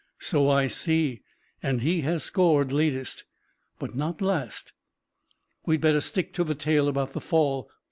"So I see, and he has scored latest." "But not last." "We'd better stick to the tale about the fall.